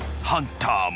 ハンター？